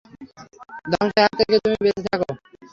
ধ্বংসের হাত থেকে তুমি বেঁচে থাক।